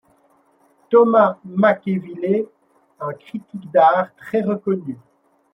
Thomas McEvilley, un critique d’art très reconnu.